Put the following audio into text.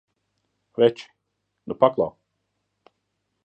Veči, nu paklau!